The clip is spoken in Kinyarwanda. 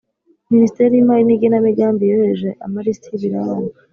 Minisiteri y Imari n Igenamigambi yoherereje amalisiti y’ ibirarane